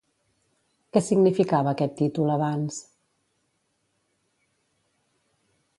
Què significava aquest títol abans?